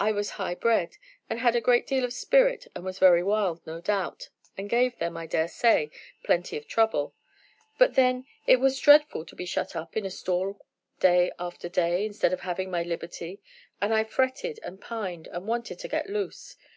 I was high bred and had a great deal of spirit and was very wild, no doubt, and gave them, I dare say, plenty of trouble, but then it was dreadful to be shut up in a stall day after day instead of having my liberty, and I fretted and pined and wanted to get loose.